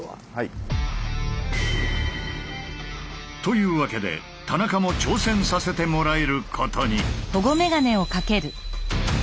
というわけで田中も挑戦させてもらえることに。